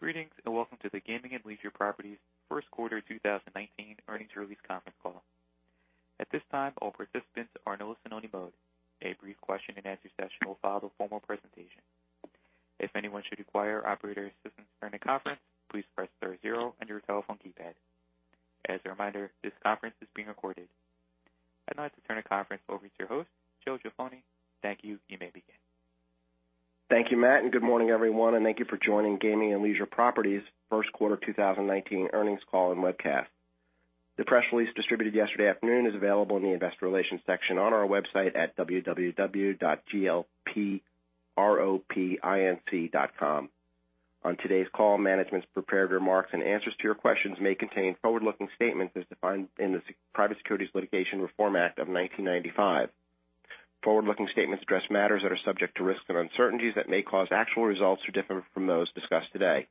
Greetings, welcome to the Gaming and Leisure Properties first quarter 2019 earnings release conference call. At this time, all participants are in listen-only mode. A brief question and answer session will follow the formal presentation. If anyone should require operator assistance during the conference, please press star zero on your telephone keypad. As a reminder, this conference is being recorded. I'd now like to turn the conference over to your host, Joseph Jaffoni. Thank you. You may begin. Thank you, Matt, good morning, everyone, thank you for joining Gaming and Leisure Properties first quarter 2019 earnings call and webcast. The press release distributed yesterday afternoon is available in the investor relations section on our website at www.glpropinc.com. On today's call, management's prepared remarks and answers to your questions may contain forward-looking statements as defined in the Private Securities Litigation Reform Act of 1995. Forward-looking statements address matters that are subject to risks and uncertainties that may cause actual results to differ from those discussed today.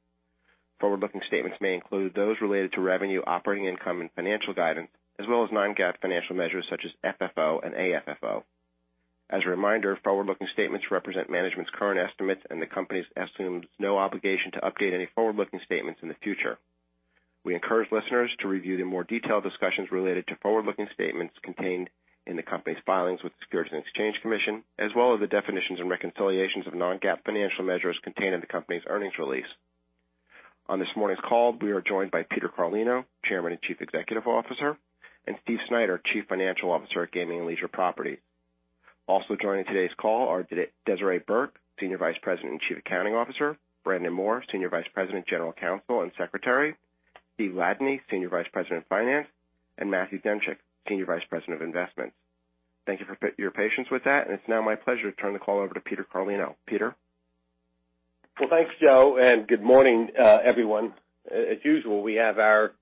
Forward-looking statements may include those related to revenue, operating income, and financial guidance, as well as non-GAAP financial measures such as FFO and AFFO. As a reminder, forward-looking statements represent management's current estimates. The company assumes no obligation to update any forward-looking statements in the future. We encourage listeners to review the more detailed discussions related to forward-looking statements contained in the company's filings with the Securities and Exchange Commission, as well as the definitions and reconciliations of non-GAAP financial measures contained in the company's earnings release. On this morning's call, we are joined by Peter Carlino, Chairman and Chief Executive Officer, and Steven Snyder, Chief Financial Officer at Gaming and Leisure Properties. Also joining today's call are Desiree Burke, Senior Vice President and Chief Accounting Officer, Brandon Moore, Senior Vice President, General Counsel, and Secretary, Steven Ladany, Senior Vice President of Finance, and Matthew Demchyk, Senior Vice President of Investments. Thank you for your patience with that. It's now my pleasure to turn the call over to Peter Carlino. Peter? Well, thanks, Joe, good morning, everyone. As usual, we have our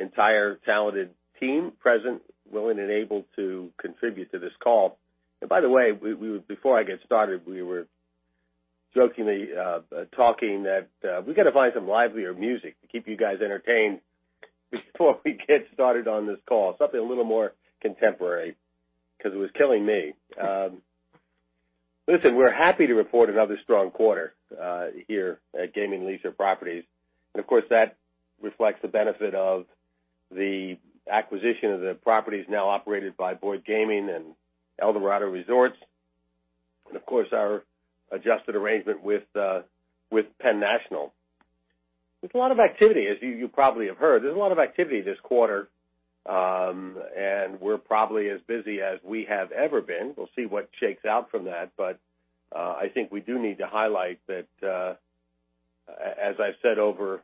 entire talented team present, willing and able to contribute to this call. By the way, before I get started, we were jokingly talking that we've got to find some livelier music to keep you guys entertained before we get started on this call, something a little more contemporary, because it was killing me. Listen, we're happy to report another strong quarter here at Gaming and Leisure Properties. Of course, that reflects the benefit of the acquisition of the properties now operated by Boyd Gaming and Eldorado Resorts. Of course, our adjusted arrangement with Penn National. There's a lot of activity, as you probably have heard. There's a lot of activity this quarter. We're probably as busy as we have ever been. We'll see what shakes out from that. I think we do need to highlight that, as I've said over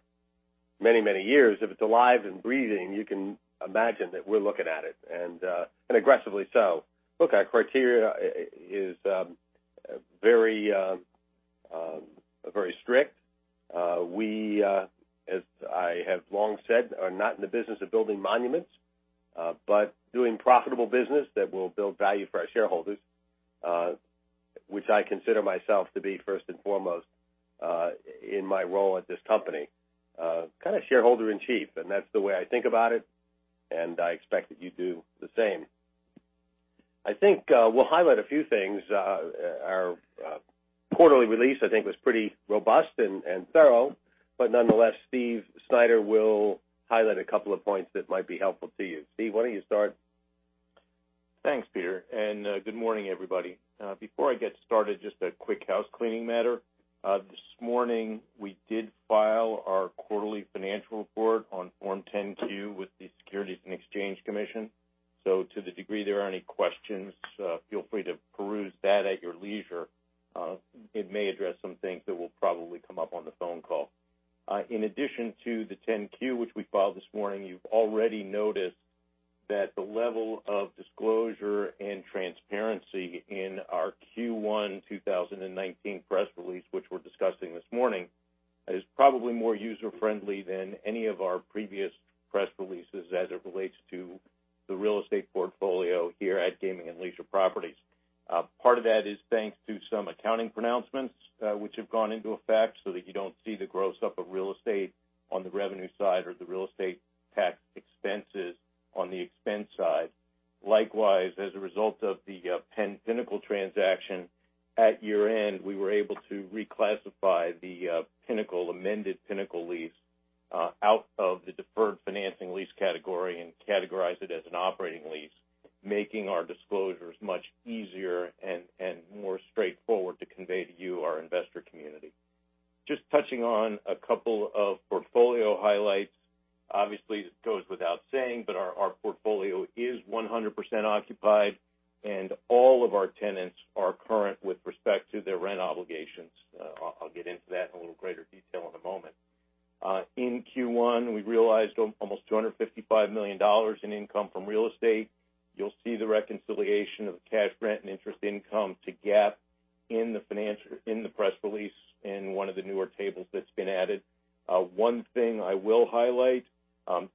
many, many years, if it's alive and breathing, you can imagine that we're looking at it, and aggressively so. Look, our criteria is very strict. We, as I have long said, are not in the business of building monuments, but doing profitable business that will build value for our shareholders, which I consider myself to be first and foremost in my role at this company, kind of shareholder-in-chief, that's the way I think about it, and I expect that you do the same. I think we'll highlight a few things. Our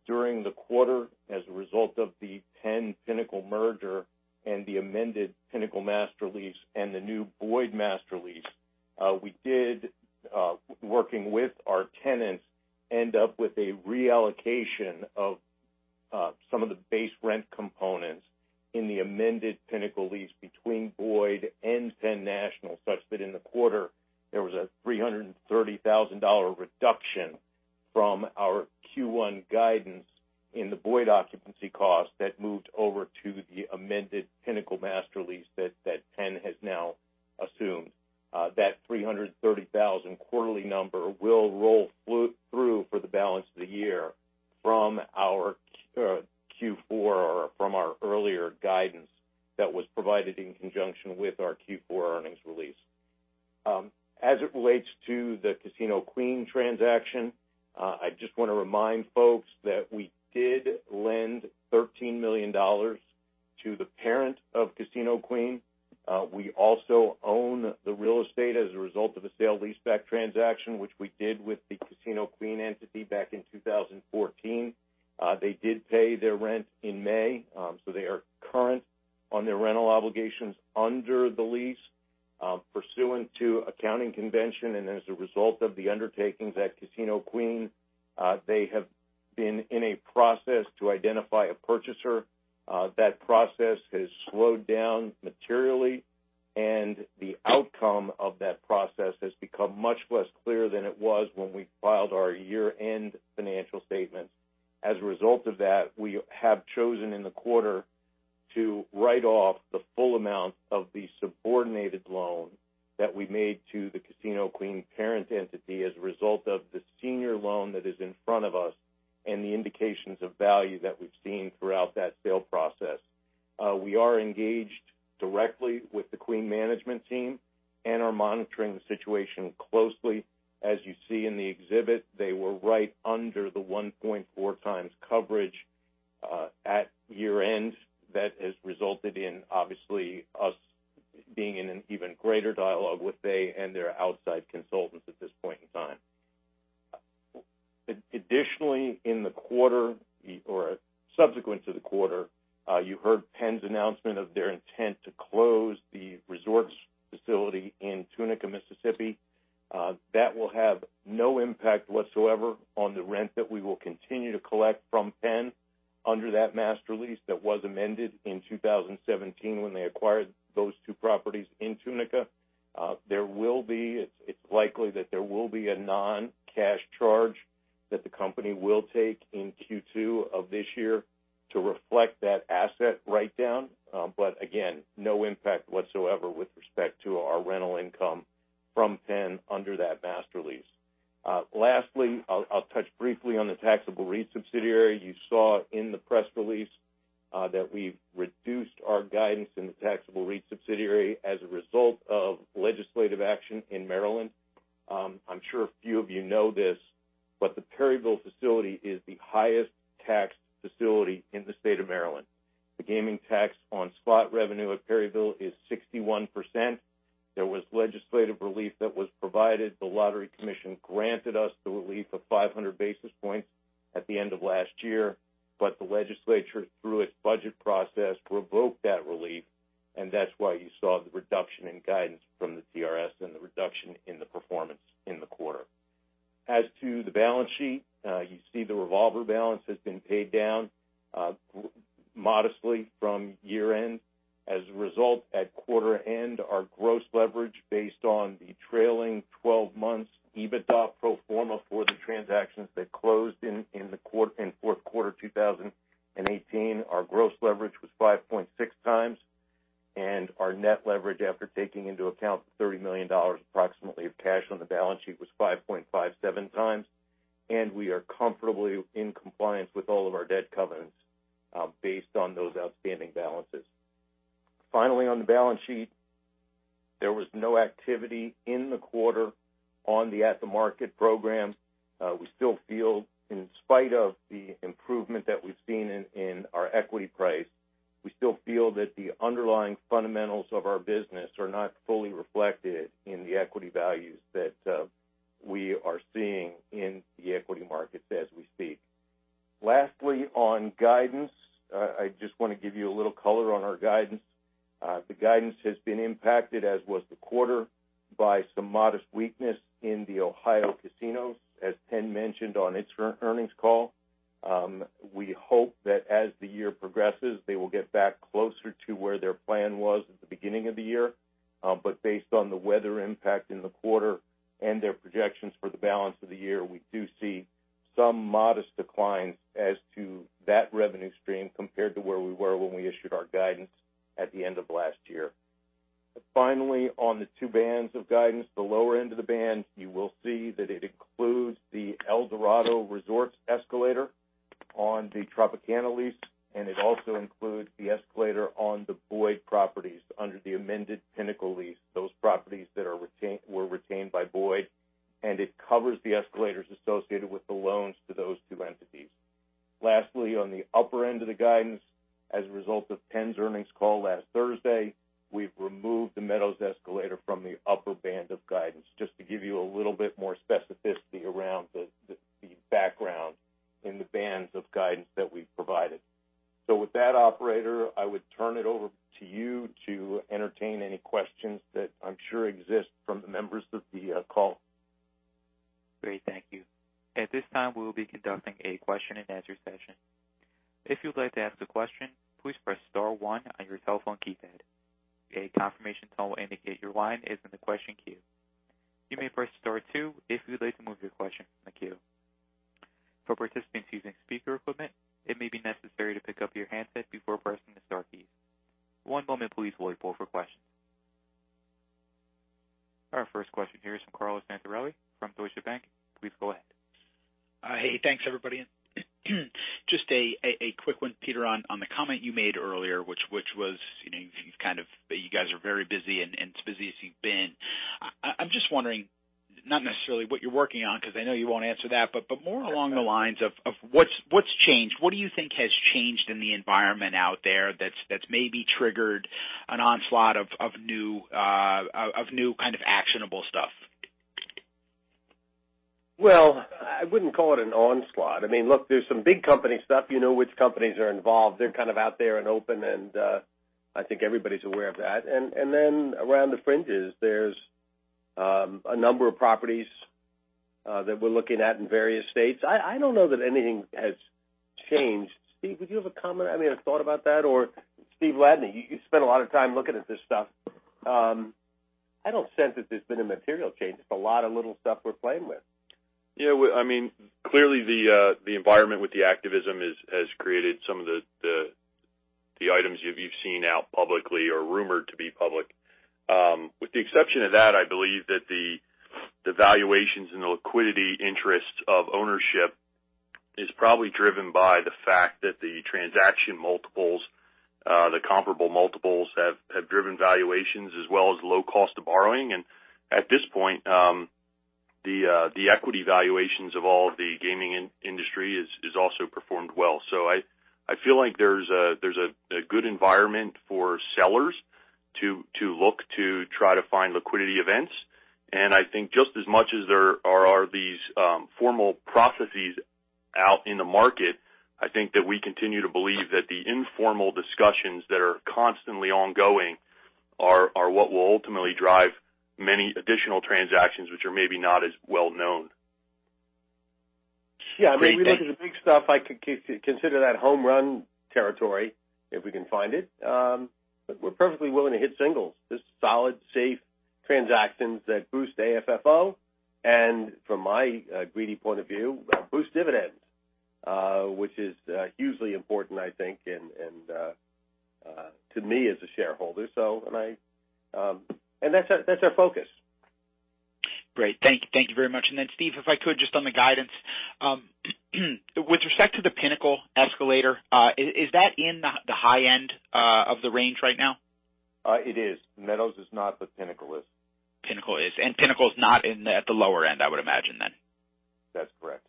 during the quarter, as a result of the Penn-Pinnacle merger, the amended Pinnacle master lease, and the new Boyd master lease, we did, working with our tenants, end up with a reallocation of Some of the base rent components in the amended Pinnacle lease between Boyd and Penn National, such that in the quarter, there was a $330,000 reduction from our Q1 guidance in the Boyd occupancy cost that moved over to the amended Pinnacle master lease that Penn has now assumed. That $330,000 quarterly number will roll through for the balance of the year from our Q4 or from our earlier guidance that was provided in conjunction with our Q4 earnings release. As it relates to the Casino Queen transaction, I just want to remind folks that we did lend $13 million to the parent of Casino Queen. We also own the real estate as a result of a sale leaseback transaction, which we did with the Casino Queen entity back in 2014. They did pay their rent in May, so they are current on their rental obligations under the lease. Pursuant to accounting convention and as a result of the undertakings at Casino Queen, they have been in a process to identify a purchaser. That process has slowed down materially, and the outcome of that process has become much less clear than it was when we filed our year-end financial statements. As a result of that, we have chosen in the quarter to write off the full amount of the subordinated loan that we made to the Casino Queen parent entity as a result of the senior loan that is in front of us and the indications of value that we've seen throughout that sale process. We are engaged directly with the Queen management team and are monitoring the situation closely. As you see in the exhibit, they were right under the 1.4 times coverage at year end. That has resulted in, obviously, us being in an even greater dialogue with them and their outside consultants at this point in time. Additionally, in the quarter or subsequent to the quarter, you heard Penn's announcement of their intent to close the Resorts Casino Tunica. That will have no impact whatsoever on the rent that we will continue to collect from Penn under that master lease that was amended in 2017 when they acquired those two properties in Tunica. It's likely that there will be a non-cash charge that the company will take in Q2 of this year to reflect that asset write-down, but again, no impact whatsoever with respect to our rental income from Penn under that master lease. Lastly, I'll touch briefly on the Taxable REIT Subsidiary. You saw in the press release that we've reduced our guidance in the Taxable REIT Subsidiary as a result of legislative action in Maryland. I'm sure a few of you know this, but the Perryville facility is the highest-taxed facility in the state of Maryland. The gaming tax on slot revenue at Perryville is 61%. There was legislative relief that was provided. The Lottery Commission granted us the relief of 500 basis points at the end of last year, but the legislature, through its budget process, revoked that relief, and that's why you saw the reduction in guidance from the TRS and the reduction in the performance in the quarter. As to the balance sheet, you see the revolver balance has been paid down modestly from year-end. As a result, at quarter end, our gross leverage based on the trailing 12 months EBITDA pro forma for the transactions that closed in fourth quarter 2018, our gross leverage was 5.6 times, and our net leverage after taking into account the $30 million approximately of cash on the balance sheet was 5.57 times, and we are comfortably in compliance with all of our debt covenants based on those outstanding balances. Finally, on the balance sheet, there was no activity in the quarter on the at-the-market program. We still feel in spite of the improvement that we've seen in our equity price, we still feel that the underlying fundamentals of our business are not fully reflected in the equity values that we are seeing in the equity markets as we speak. Lastly, on guidance, I just want to give you a little color on our guidance. The guidance has been impacted, as was the quarter, by some modest weakness in the Ohio casinos, as Penn mentioned on its current earnings call. We hope that as the year progresses, they will get back closer to where their plan was at the beginning of the year. Based on the weather impact in the quarter and their projections for the balance of the year, we do see some modest declines as to that revenue stream compared to where we were when we issued our guidance at the end of last year. Finally, on the two bands of guidance, the lower end of the band, you will see that it includes the Eldorado Resorts escalator on the Tropicana lease, and it also includes the escalator on the Boyd properties under the amended Pinnacle lease, those properties that were retained by Boyd, and it covers the escalators associated with the loans to those two entities. Lastly, on the upper end of the guidance, as a result of Penn's earnings call last Thursday, we've removed The Meadows escalator from the upper band of guidance, just to give you a little bit more specificity around the background in the bands of guidance that we've provided. With that, operator, I would turn it over to you to entertain any questions that I'm sure exist from the members of the call. Great. Thank you. At this time, we will be conducting a question-and-answer session. If you'd like to ask a question, please press star one on your telephone keypad. A confirmation tone will indicate your line is in the question queue. You may press star two if you'd like to move your question in the queue. For participants using speaker equipment, it may be necessary to pick up your handset before pressing the star key. One moment, please, while we poll for questions. Our first question here is from Carlo Santarelli from Deutsche Bank. Please go ahead. Hey, thanks, everybody. Just a quick one, Peter, on the comment you made earlier, which was that you guys are very busy, and it's busy as you've been. I'm just wondering, not necessarily what you're working on, because I know you won't answer that, but more along the lines of what's changed. What do you think has changed in the environment out there that's maybe triggered an onslaught of new kind of actionable stuff? Well, I wouldn't call it an onslaught. Look, there's some big company stuff, which companies are involved. They're out there and open, and I think everybody's aware of that. Around the fringes, there's a number of properties that we're looking at in various states. I don't know that anything has changed. Steve, would you have a comment, a thought about that? Or Steven Ladany, you spend a lot of time looking at this stuff. I don't sense that there's been a material change. It's a lot of little stuff we're playing with. Yeah. Clearly, the environment with the activism has created some of the items you've seen out publicly or rumored to be public. With the exception of that, I believe that the valuations and the liquidity interests of ownership is probably driven by the fact that the transaction multiples, the comparable multiples, have driven valuations as well as low cost of borrowing. At this point, the equity valuations of all of the gaming industry has also performed well. I feel like there's a good environment for sellers to look to try to find liquidity events. I think just as much as there are these formal processes out in the market, I think that we continue to believe that the informal discussions that are constantly ongoing are what will ultimately drive many additional transactions which are maybe not as well known. Yeah. We look at the big stuff. I consider that home run territory, if we can find it. We're perfectly willing to hit singles, just solid, safe transactions that boost AFFO and, from my greedy point of view, boost dividends which is hugely important, I think, and to me as a shareholder. That's our focus. Great. Thank you very much. Steve, if I could, just on the guidance. With respect to the Pinnacle escalator, is that in the high end of the range right now? It is. Meadows is not, but Pinnacle is. Pinnacle is. Pinnacle is not in at the lower end, I would imagine then. That's correct.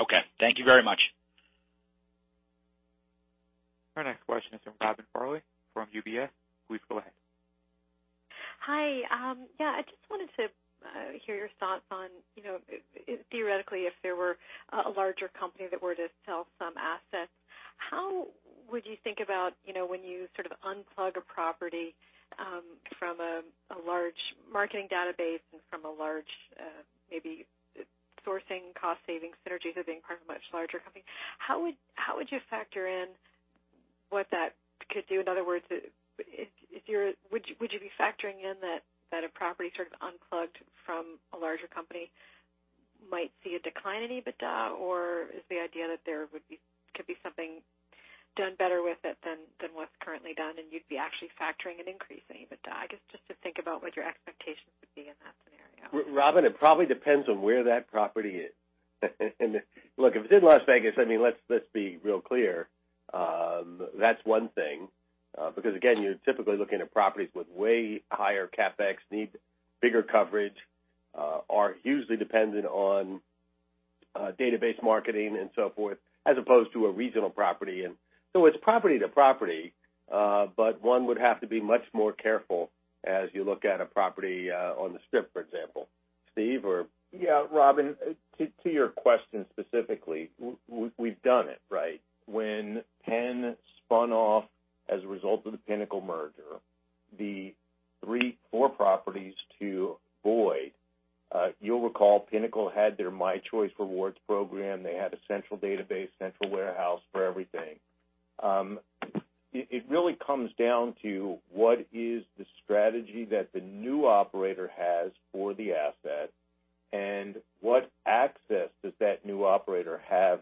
Okay. Thank you very much. Our next question is from Robin Farley from UBS. Please go ahead. Hi. I just wanted to hear your thoughts on, theoretically, if there were a larger company that were to sell some assets, how would you think about when you sort of unplug a property from a large marketing database and from a large sourcing cost-saving synergies of being part of a much larger company, how would you factor in what that could do? In other words, would you be factoring in that a property sort of unplugged from a larger company might see a decline in EBITDA? Is the idea that there could be something done better with it than what's currently done, and you'd be actually factoring an increase in EBITDA? I guess, just to think about what your expectations would be in that scenario. Robin, it probably depends on where that property is. Look, if it's in Las Vegas, let's be real clear, that's one thing because, again, you're typically looking at properties with way higher CapEx needs, bigger coverage, are hugely dependent on database marketing and so forth, as opposed to a regional property. It's property to property. One would have to be much more careful as you look at a property on the Strip, for example. Steve or. Robin, to your question specifically, we've done it, right? When Penn spun off as a result of the Pinnacle merger, the three, four properties to Boyd, you'll recall Pinnacle had their mychoice Rewards program. They had a central database, central warehouse for everything. It really comes down to what is the strategy that the new operator has for the asset and what access does that new operator have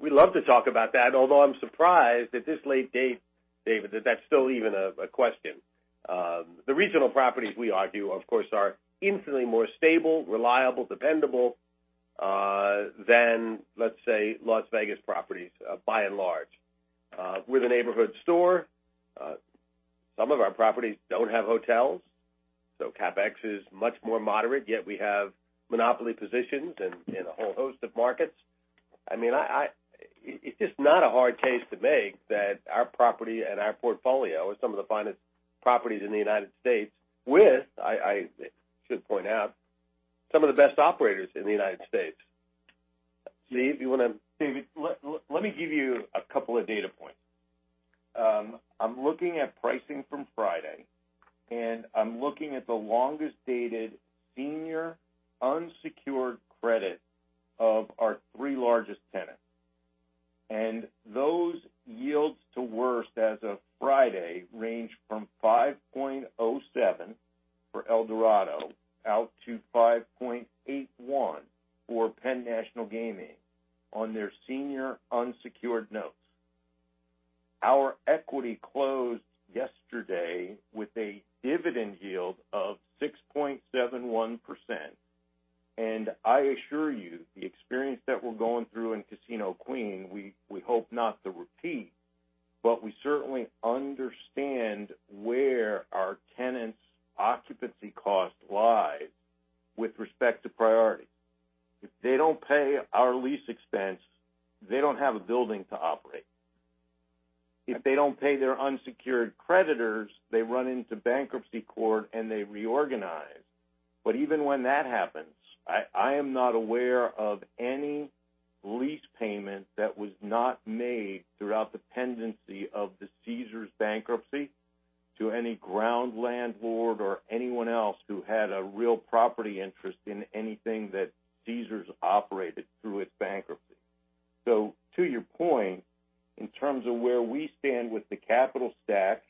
we love to talk about that, although I'm surprised at this late date, David, that that's still even a question. The regional properties, we argue, of course, are infinitely more stable, reliable, dependable than, let's say, Las Vegas properties, by and large. We're the neighborhood store. Some of our properties don't have hotels, so CapEx is much more moderate, yet we have monopoly positions in a whole host of markets. It's just not a hard case to make that our property and our portfolio is some of the finest properties in the United States with, I should point out, some of the best operators in the United States. Steve, you want to? David, let me give you a couple of data points. I'm looking at pricing from Friday, and I'm looking at the longest dated senior unsecured credit of our three largest tenants. Those yields to worst as of Friday range from 5.07 for Eldorado out to 5.81 for Penn National Gaming on their senior unsecured notes. Our equity closed yesterday with a dividend yield of 6.71%, and I assure you, the experience that we're going through in Casino Queen, we hope not to repeat, but we certainly understand where our tenants' occupancy costs lie with respect to priority. If they don't pay our lease expense, they don't have a building to operate. If they don't pay their unsecured creditors, they run into bankruptcy court and they reorganize. Even when that happens, I am not aware of any lease payment that was not made throughout the pendency of the Caesars bankruptcy to any ground landlord or anyone else who had a real property interest in anything that Caesars operated through its bankruptcy. To your point, in terms of where we stand with the capital stack,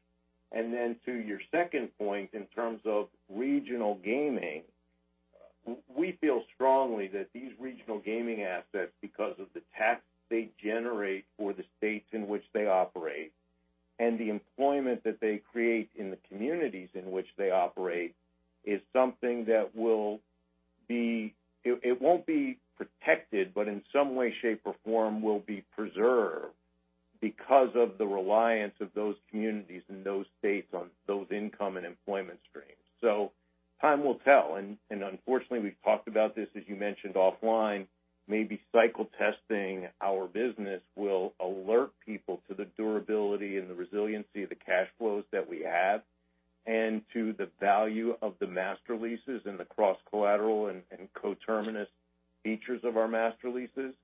and then to your second point in terms of regional gaming, we feel strongly that these regional gaming assets, because of the tax they generate for the states in which they operate and the employment that they create in the communities in which they operate, is something that It won't be protected, but in some way, shape, or form, will be preserved because of the reliance of those communities and those states on those income and employment streams. Time will tell, and unfortunately, we've talked about this, as you mentioned, offline, maybe cycle testing our business will alert people to the durability and the resiliency of the cash flows that we have and to the value of the master leases and the cross-collateral and coterminous features of our master leases.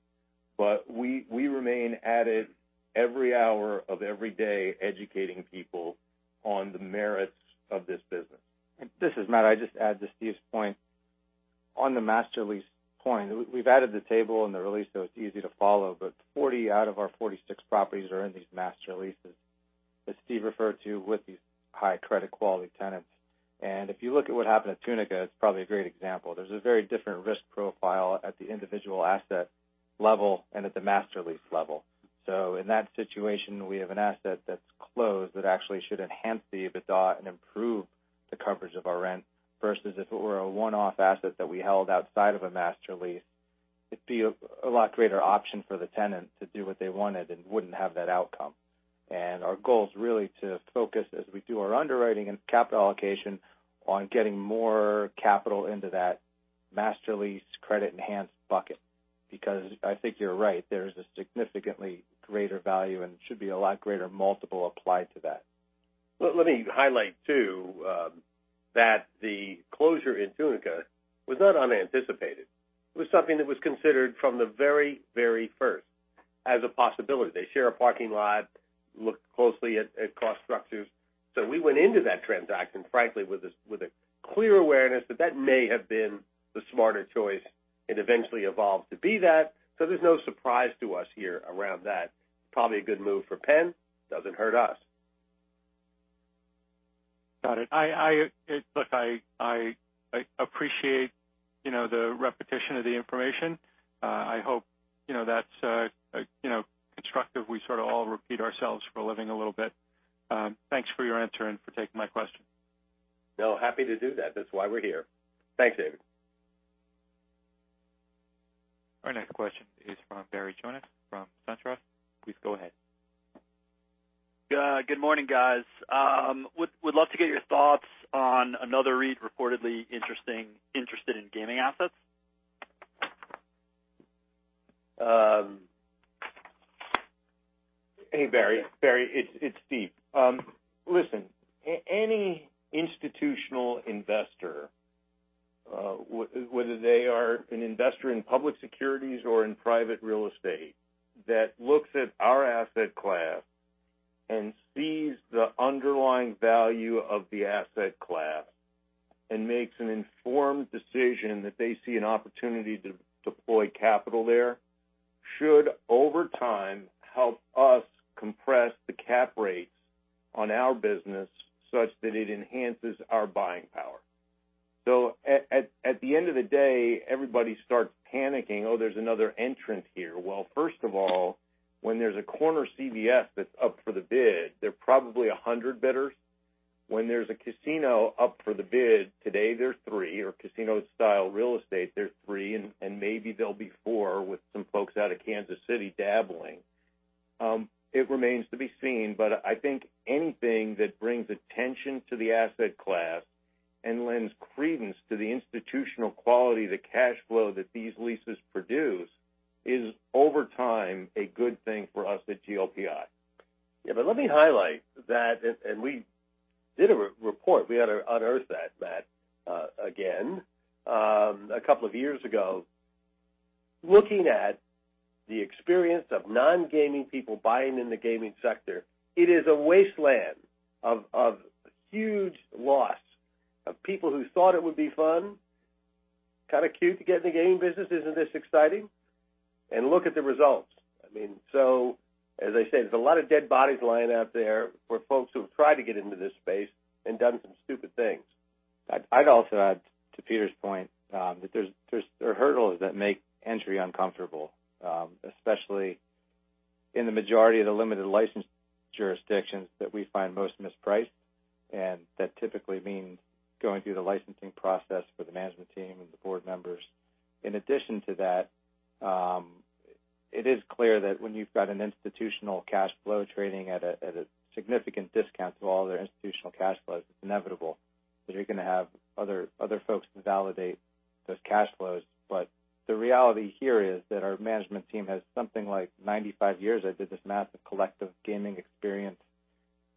We remain at it every hour of every day, educating people on the merits of this business. This is Matt. I would just add to Steve's point. On the master lease point, we've added the table in the release, so it's easy to follow, but 40 out of our 46 properties are in these master leases that Steve referred to with these high credit quality tenants. If you look at what happened at Resorts Casino Tunica, it's probably a great example. There's a very different risk profile at the individual asset level and at the master lease level. In that situation, we have an asset that's closed that actually should enhance the EBITDA and improve the coverage of our rent versus if it were a one-off asset that we held outside of a master lease, it'd be a lot greater option for the tenant to do what they wanted and wouldn't have that outcome. Our goal is really to focus as we do our underwriting and capital allocation on getting more capital into that master lease credit-enhanced bucket, because I think you're right, there is a significantly greater value, and it should be a lot greater multiple applied to that. Let me highlight too, that the closure in Resorts Casino Tunica was not unanticipated. It was something that was considered from the very, very first as a possibility. They share a parking lot, looked closely at cost structures. We went into that transaction, frankly, with a clear awareness that that may have been the smarter choice. It eventually evolved to be that. There's no surprise to us here around that. Probably a good move for Penn. Doesn't hurt us. Got it. Look, I appreciate the repetition of the information. I hope that's constructive. We sort of all repeat ourselves for a living a little bit. Thanks for your answer and for taking my question. No, happy to do that. That's why we're here. Thanks, David. Our next question is from Barry Jonas from SunTrust. Please go ahead. Good morning, guys. Would love to get your thoughts on another REIT reportedly interested in gaming assets. Hey, Barry. It's Steve. Listen, any institutional investor, whether they are an investor in public securities or in private real estate that looks at our asset class and sees the underlying value of the asset class and makes an informed decision that they see an opportunity to deploy capital there should, over time, help us compress the cap rates on our business such that it enhances our buying power. At the end of the day, everybody starts panicking, "Oh, there's another entrant here." Well, first of all, when there's a corner CVS that's up for the bid, there are probably 100 bidders. When there's a casino up for the bid, today there's three, or casino-style real estate, there's three, and maybe there'll be four with some folks out of Kansas City dabbling. It remains to be seen, I think anything that brings attention to the asset class and lends credence to the institutional quality of the cash flow that these leases produce is, over time, a good thing for us at GLPI. Yeah, let me highlight that, we did a report, we had to unearth that, Matt, again, a couple of years ago. Looking at the experience of non-gaming people buying in the gaming sector, it is a wasteland of huge loss of people who thought it would be fun, kind of cute to get in the gaming business. Isn't this exciting? Look at the results. As I said, there's a lot of dead bodies lying out there for folks who have tried to get into this space and done some stupid things. I'd also add to Peter's point, that there are hurdles that make entry uncomfortable, especially in the majority of the limited license jurisdictions that we find most mispriced, that typically means going through the licensing process for the management team and the board members. In addition to that, it is clear that when you've got an institutional cash flow trading at a significant discount to all other institutional cash flows, it's inevitable that you're going to have other folks validate those cash flows. The reality here is that our management team has something like 95 years, I did this math, of collective gaming experience,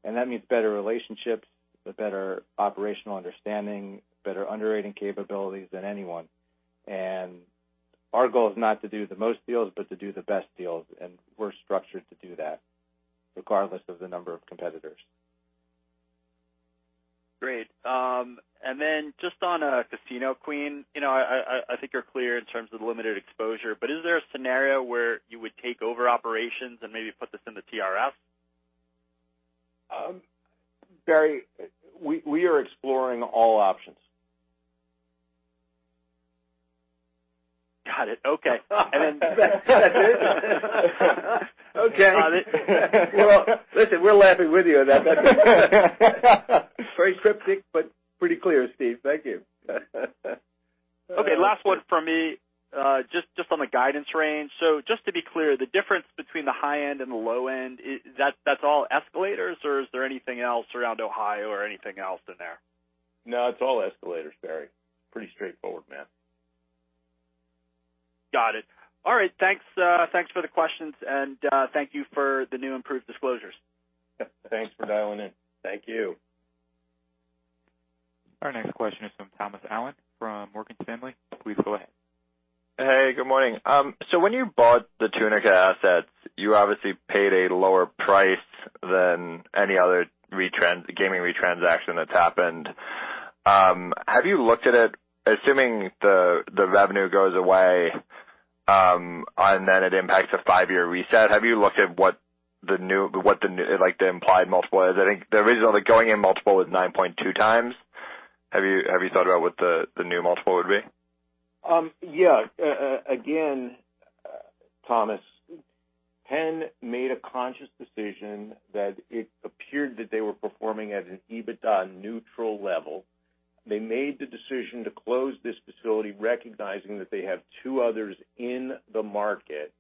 that means better relationships, a better operational understanding, better underwriting capabilities than anyone. Our goal is not to do the most deals, but to do the best deals, we're structured to do that regardless of the number of competitors. Great. Just on Casino Queen, I think you are clear in terms of the limited exposure, but is there a scenario where you would take over operations and maybe put this in the TRS? Barry, we are exploring all options. Got it. Okay. That is it? Okay. Got it. Well, listen, we're laughing with you on that, Matthew. Very cryptic, but pretty clear, Steve. Thank you. Okay, last one from me. Just on the guidance range. Just to be clear, the difference between the high end and the low end, that's all escalators, or is there anything else around Ohio or anything else in there? No, it's all escalators, Barry. Pretty straightforward, Matt. Got it. All right. Thanks for the questions, and thank you for the new improved disclosures. Yep. Thanks for dialing in. Thank you. Our next question is from Thomas Allen from Morgan Stanley. Please go ahead. Hey, good morning. When you bought the Tunica assets, you obviously paid a lower price than any other gaming REIT transaction that's happened. Have you looked at it, assuming the revenue goes away, and then it impacts a five-year reset? Have you looked at what the implied multiple is? I think the original going-in multiple was 9.2 times. Have you thought about what the new multiple would be? Yeah. Again, Thomas, Penn made a conscious decision that it appeared that they were performing at an EBITDA neutral level. They made the decision to close this facility, recognizing that they have two others in the market.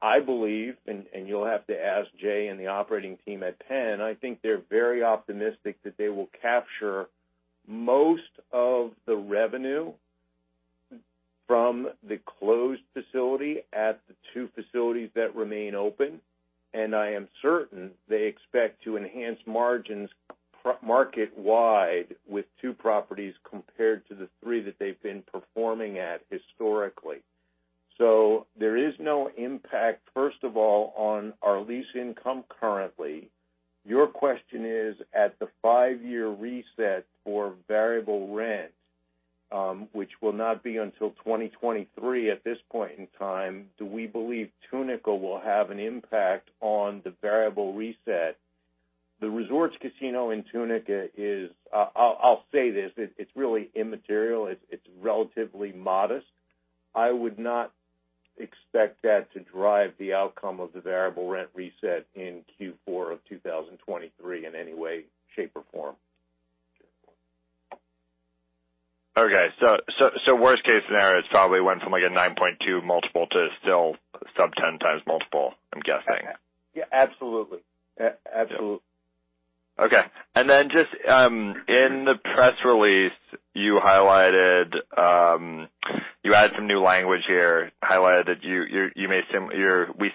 I believe, and you'll have to ask Jay and the operating team at Penn, I think they're very optimistic that they will capture most of the revenue from the closed facility at the two facilities that remain open. I am certain they expect to enhance margins market-wide with two properties compared to the three that they've been performing at historically. There is no impact, first of all, on our lease income currently. Your question is at the five-year reset for variable rent, which will not be until 2023 at this point in time, do we believe Tunica will have an impact on the variable reset? The Resorts Casino in Tunica, I'll say this, it's really immaterial. It's relatively modest. I would not expect that to drive the outcome of the variable rent reset in Q4 of 2023 in any way, shape, or form. Okay. Worst case scenario, it's probably went from a 9.2 multiple to still sub 10x multiple, I'm guessing. Yeah, absolutely. Okay. Just in the press release you highlighted, you add some new language here, highlighted that we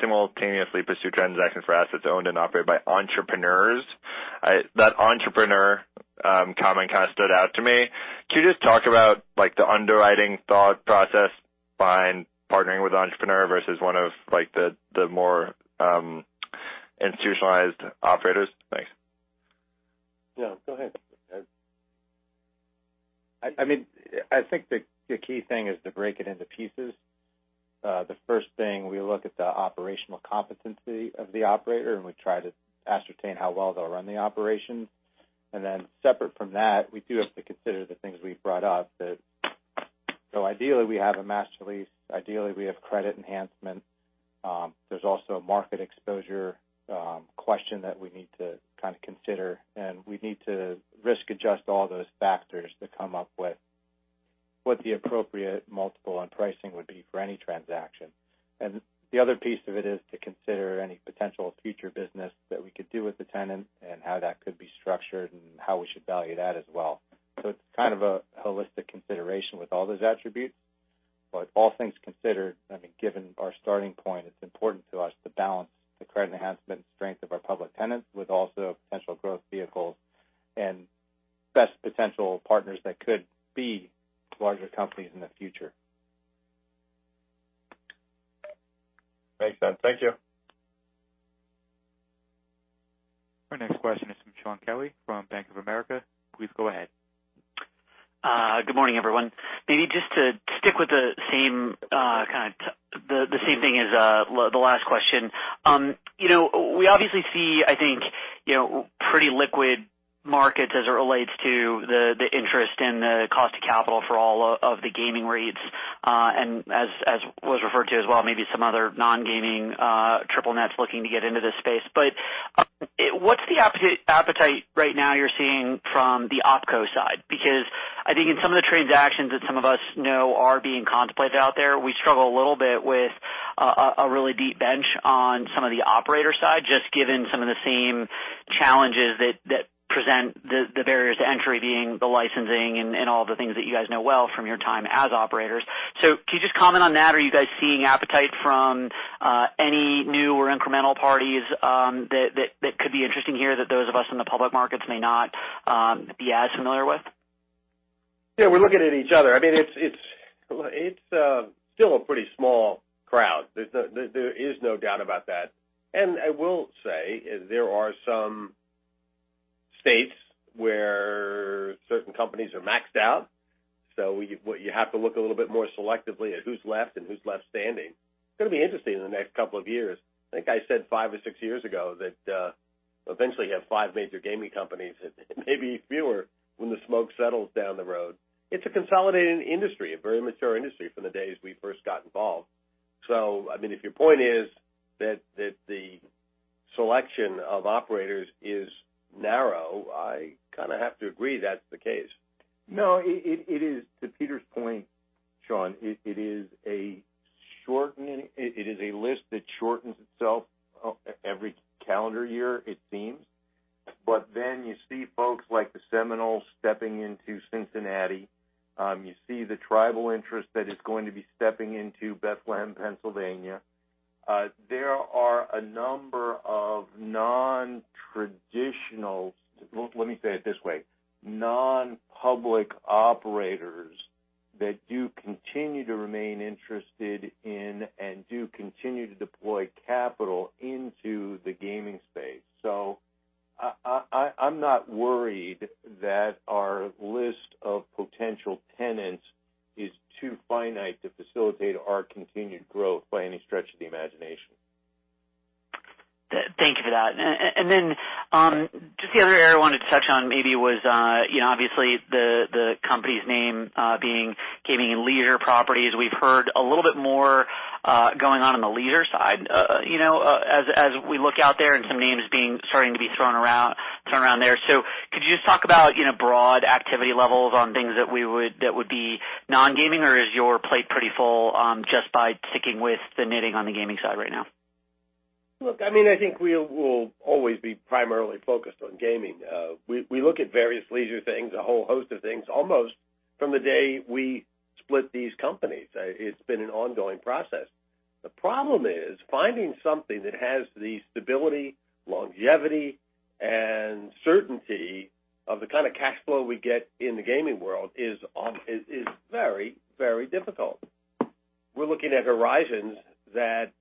simultaneously pursue transactions for assets owned and operated by entrepreneurs. That entrepreneur comment kind of stood out to me. Could you just talk about the underwriting thought process behind partnering with entrepreneur versus one of the more institutionalized operators? Thanks. No, go ahead. The key thing is to break it into pieces. The first thing, we look at the operational competency of the operator, and we try to ascertain how well they'll run the operation. Separate from that, we do have to consider the things we've brought up that ideally, we have a master lease. Ideally, we have credit enhancement. There's also a market exposure question that we need to kind of consider, and we need to risk adjust all those factors to come up with what the appropriate multiple on pricing would be for any transaction. The other piece of it is to consider any potential future business that we could do with the tenant and how that could be structured and how we should value that as well. It's kind of a holistic consideration with all those attributes. All things considered, given our starting point, it's important to us to balance the credit enhancement strength of our public tenants with also potential growth vehicles and best potential partners that could be larger companies in the future. Thanks, Ed. Thank you. Our next question is from Shaun Kelley from Bank of America. Please go ahead. Good morning, everyone. Maybe just to stick with the same thing as the last question. We obviously see, I think, pretty liquid markets as it relates to the interest and the cost of capital for all of the gaming REITs. As was referred to as well, maybe some other non-gaming triple nets looking to get into this space. What's the appetite right now you're seeing from the OpCo side? Because I think in some of the transactions that some of us know are being contemplated out there, we struggle a little bit with a really deep bench on some of the operator side, just given some of the same challenges that present the barriers to entry, being the licensing and all the things that you guys know well from your time as operators. Can you just comment on that? Are you guys seeing appetite from any new or incremental parties that could be interesting here that those of us in the public markets may not be as familiar with? Yeah, we're looking at each other. It's still a pretty small crowd. There is no doubt about that. I will say there are some states where certain companies are maxed out. You have to look a little bit more selectively at who's left and who's left standing. It's going to be interesting in the next couple of years. I think I said five or six years ago that eventually you have five major gaming companies, maybe fewer, when the smoke settles down the road. It's a consolidating industry, a very mature industry from the days we first got involved. If your point is that the selection of operators is narrow, I kind of have to agree that's the case. No, it is, to Peter's point, Shaun, it is a list that shortens itself every calendar year, it seems. You see folks like the Seminoles stepping into Cincinnati. You see the tribal interest that is going to be stepping into Bethlehem, Pennsylvania. There are a number of non-traditional, let me say it this way, non-public operators that do continue to remain interested in and do continue to deploy capital into the gaming space. I'm not worried that our list of potential tenants is too finite to facilitate our continued growth by any stretch of the imagination. Thank you for that. Just the other area I wanted to touch on maybe was obviously the company's name being Gaming and Leisure Properties. We've heard a little bit more going on in the leisure side as we look out there and some names starting to be thrown around there. Could you just talk about broad activity levels on things that would be non-gaming? Or is your plate pretty full just by sticking with the knitting on the gaming side right now? Look, I think we will always be primarily focused on gaming. We look at various leisure things, a whole host of things, almost from the day we split these companies. It's been an ongoing process. The problem is finding something that has the stability, longevity, and certainty of the kind of cash flow we get in the gaming world is very difficult. We're looking at horizons that,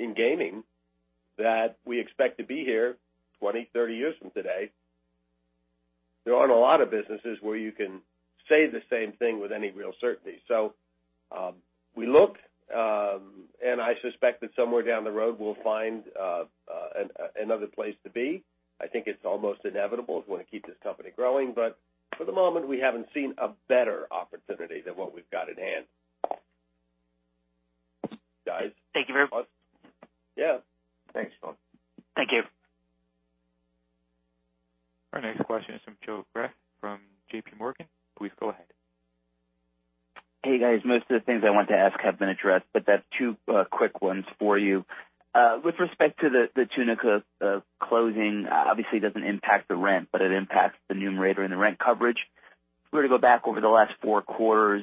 in gaming, that we expect to be here 20, 30 years from today. There aren't a lot of businesses where you can say the same thing with any real certainty. We look, and I suspect that somewhere down the road, we'll find another place to be. I think it's almost inevitable if we want to keep this company growing. For the moment, we haven't seen a better opportunity than what we've got at hand. Guys? Thank you very much. Yeah. Thanks, Shaun. Thank you. Our next question is from Joe Greff from JPMorgan. Please go ahead. Hey, guys. Most of the things I wanted to ask have been addressed, but I've two quick ones for you. With respect to the Tunica closing, obviously it doesn't impact the rent, but it impacts the numerator and the rent coverage. If we were to go back over the last four quarters,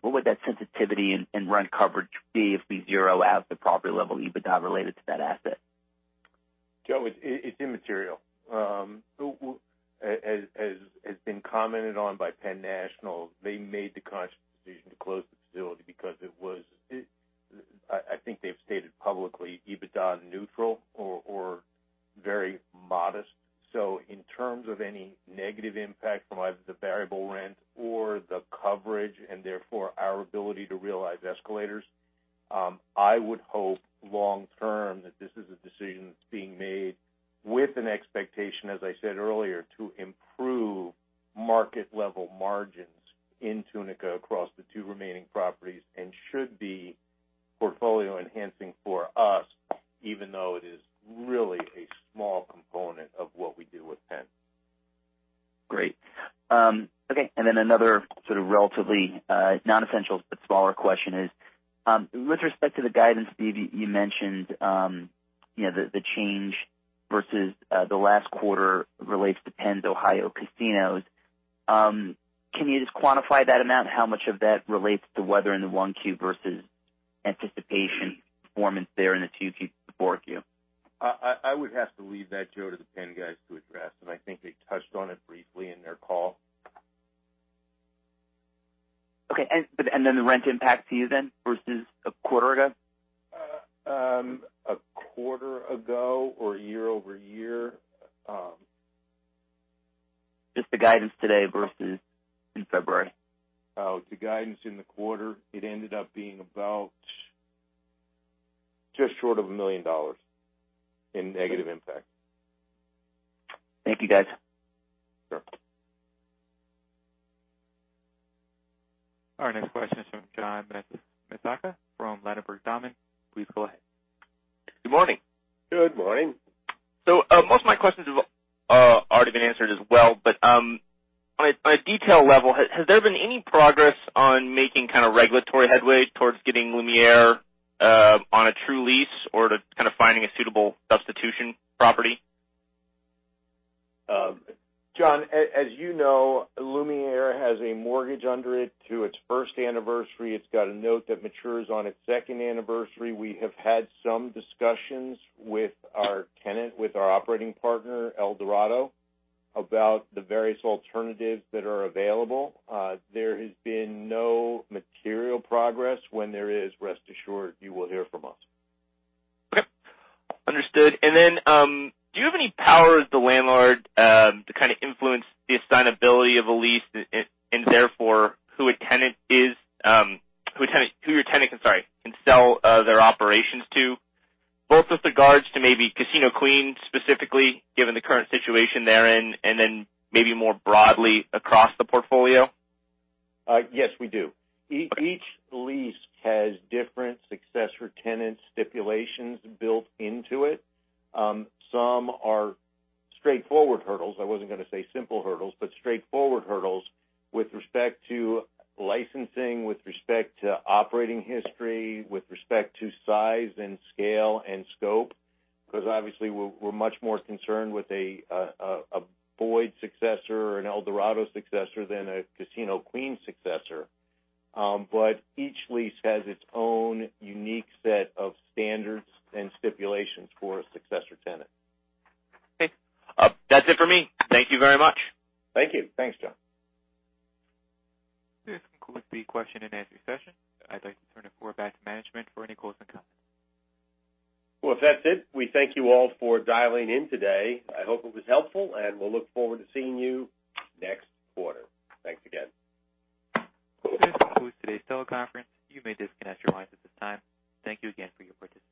what would that sensitivity and rent coverage be if we zero out the property level EBITDA related to that asset? Joe, it's immaterial. As has been commented on by Penn National, they made the conscious decision to close the facility because it was, I think they've stated publicly, EBITDA neutral or very modest. In terms of any negative impact from either the variable rent or the coverage, and therefore our ability to realize escalators, I would hope long term that this is a decision that's being made with an expectation, as I said earlier, to improve market-level margins in Tunica across the two remaining properties and should be portfolio enhancing for us, even though it is really a small component of what we do with Penn. Great. Okay, another sort of relatively non-essential but smaller question is, with respect to the guidance, Steve, you mentioned the change versus the last quarter relates to Penn's Ohio casinos. Can you just quantify that amount? How much of that relates to weather in the one Q versus anticipation performance there in the two Q, four Q? I would have to leave that, Joe, to the Penn guys to address, I think they touched on it briefly in their call. Okay. The rent impact to you then versus a quarter ago? A quarter ago or year-over-year? Just the guidance today versus in February. The guidance in the quarter, it ended up being about just short of $1 million in negative impact. Thank you, guys. Sure. Our next question is from John Massocca from Ladenburg Thalmann. Please go ahead. Good morning. Good morning. Most of my questions have already been answered as well. On a detail level, has there been any progress on making kind of regulatory headway towards getting Lumière Place on a true lease or to kind of finding a suitable substitution property? John, as you know, Lumière Place has a mortgage under it to its first anniversary. It's got a note that matures on its second anniversary. We have had some discussions with our tenant, with our operating partner, Eldorado Resorts, about the various alternatives that are available. There has been no material progress. When there is, rest assured, you will hear from us. Okay. Understood. Then, do you have any power as the landlord to kind of influence the assignability of a lease and therefore, who your tenant can sell their operations to, both with regards to maybe Casino Queen specifically, given the current situation they're in, and then maybe more broadly across the portfolio? Yes, we do. Each lease has different successor tenant stipulations built into it. Some are straightforward hurdles. I wasn't going to say simple hurdles, but straightforward hurdles with respect to licensing, with respect to operating history, with respect to size and scale and scope. Obviously, we're much more concerned with a Boyd successor or an Eldorado successor than a Casino Queen successor. Each lease has its own unique set of standards and stipulations for a successor tenant. Okay. That's it for me. Thank you very much. Thank you. Thanks, John. This concludes the question and answer session. I'd like to turn the floor back to management for any closing comments. Well, if that's it, we thank you all for dialing in today. I hope it was helpful, and we'll look forward to seeing you next quarter. Thanks again. This concludes today's teleconference. You may disconnect your lines at this time. Thank you again for your participation.